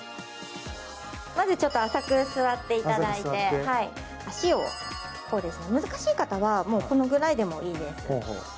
まず浅く座っていただいて足を、難しい方はこのくらいでもいいです。